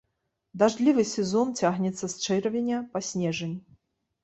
Дажджлівы сезон цягнецца з чэрвеня па снежань.